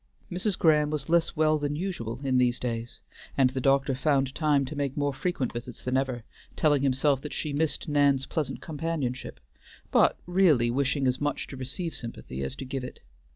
Mrs. Graham was less well than usual in these days, and the doctor found time to make more frequent visits than ever, telling himself that she missed Nan's pleasant companionship, but really wishing as much to receive sympathy as to give it.